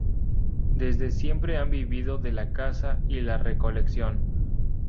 Desde siempre han vivido de la caza y la recolección.